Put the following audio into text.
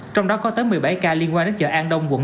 trong đó có tới một mươi bảy ca liên quan đến chợ an đông quận tám